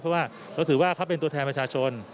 เพราะว่าเราถือว่าเขาเป็นตัวแทนประชาชน